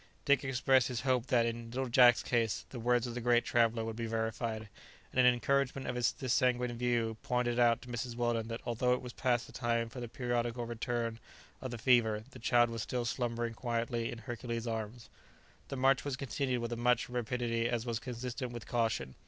Dick expressed his hope that, in little Jack's case, the words of the great traveller would be verified, and in encouragement of this sanguine view, pointed out to Mrs. Weldon that although it was past the time for the periodical return of the fever, the child was still slumbering quietly in Hercules' arms. The march was continued with as much rapidity as was consistent with caution.